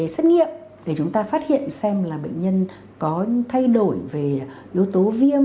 xét nghiệm để chúng ta phát hiện xem là bệnh nhân có thay đổi về yếu tố viêm